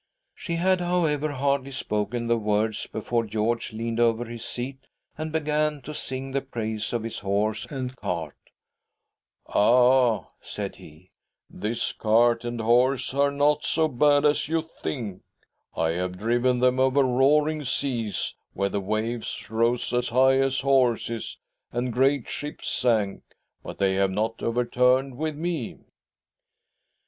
She had, however, hardly spoken the Words before George leaned over his seat and began to sing the praises of his horse and cart. .'" Ah I " said he, " this cart and horse are not so bad as you think. I have driven them over roaring seas, where the waves rose as high as horses, and great ships sank, but they have not overturned with me."